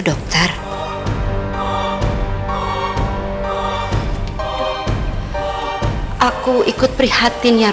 roy aku ikut penhatian ya